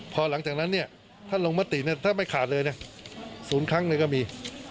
พอหลังจากนั้นท่านลงมติถ้าไม่ขาดเลย๐ครั้งก็มี